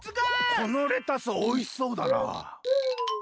このレタスおいしそうだな。